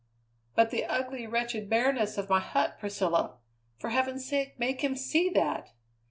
"But the ugly, wretched bareness of my hut, Priscilla! For heaven's sake, make him see that!"